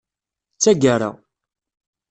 D tagara.